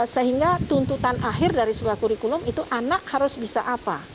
sehingga tuntutan akhir dari sebuah kurikulum itu anak harus bisa apa